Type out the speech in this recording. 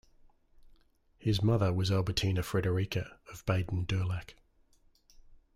His mother was Albertina Frederica of Baden-Durlach.